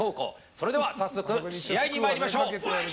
それでは早速試合に参りましょう。